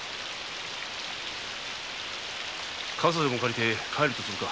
傘でも借りて帰るとするか。